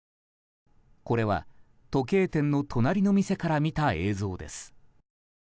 これは時計店の隣の店から見た映像です。